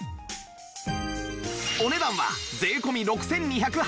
お値段は税込６２８０円